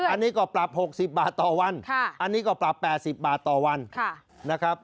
อันนี้ก็ปรับ๖๐บาทต่อวันอันนี้ก็ปรับ๘๐บาทต่อวันนะครับ